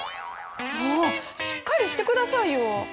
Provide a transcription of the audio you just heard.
もうしっかりしてくださいよ。